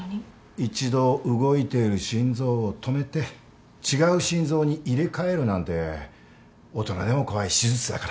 一度動いている心臓を止めて違う心臓に入れ替えるなんて大人でも怖い手術だから。